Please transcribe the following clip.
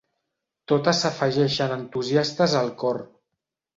Totes s'afegeixen entusiastes al cor.